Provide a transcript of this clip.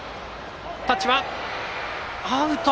タッチアウト！